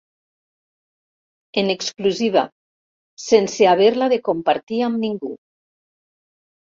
En exclusiva, sense haver-la de compartir amb ningú.